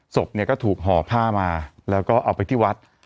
ศพเนี่ยก็ถูกห่อผ้ามาแล้วก็เอาไปที่วัด